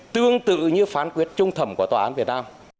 tương tự như phán quyết trung thẩm của tòa án